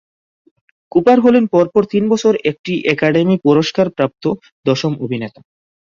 Cooper হলেন পরপর তিন বছর একটি অ্যাকাডেমি পুরস্কার-প্রাপ্ত দশম অভিনেতা।